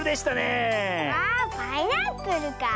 わあパイナップルか。